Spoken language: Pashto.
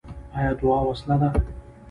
آیا دعا وسله ده؟